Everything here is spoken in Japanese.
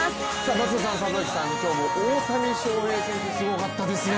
松田さん、里崎さん、今日も大谷翔平選手、すごかったですね。